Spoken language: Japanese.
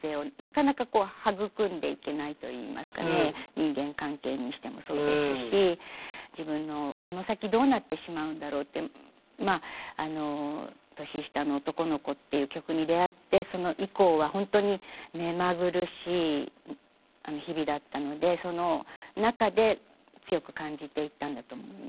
人間関係にしてもそうですし自分のこの先どうなってしまうんだろうって「年下の男の子」っていう曲に出会ってその以降は本当に目まぐるしい日々だったのでその中で強く感じていったんだと思いますね。